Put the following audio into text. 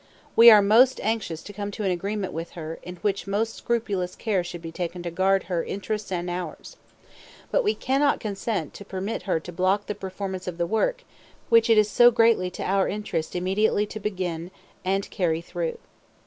We are most anxious to come to an agreement with her in which most scrupulous care should be taken to guard her interests and ours. But we cannot consent to permit her to block the performance of the work which it is so greatly to our interest immediately to begin and carry through."